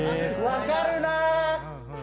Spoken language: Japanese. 分かるな。